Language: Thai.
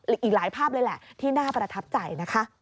อีกหลายภาพเลยแหละที่น่าประทับใจนะคะ